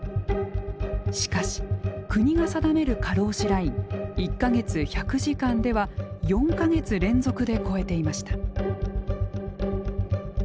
しかし国が定める過労死ライン１か月１００時間では４か月連続で超えていました。